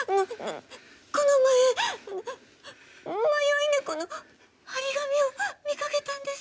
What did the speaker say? この前迷い猫の貼り紙を見かけたんです。